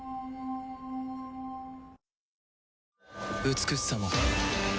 美しさも